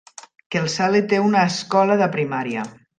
Kelsale té una escola de primària.